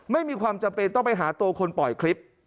ไม่มีความจำเป็นต้องไปหาตัวคนปล่อยคลิป